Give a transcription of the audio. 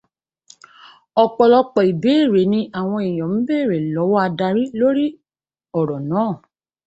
Ọ̀pọ̀lọpọ̀ ìbéèrè ni àwọn èèyàn ń bèèrè lọ́wọ́ adarí lórí ọ̀rọ̀ náà.